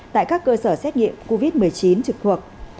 tại các cơ sở xét nghiệm covid một mươi chín trực thuộc